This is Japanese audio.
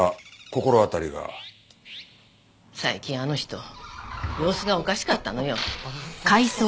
最近あの人様子がおかしかったのよ。